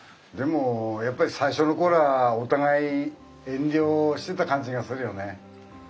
でもやっぱり最初の頃はお互い遠慮してた感じがするよね。